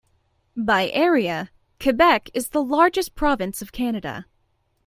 By area, Quebec is the largest province of Canada.